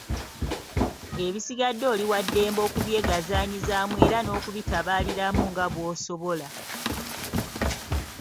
Ebisigadde oli wa ddembe okubyegazaanyizaamu era n’okubitabaaliramu nga bw’osobola.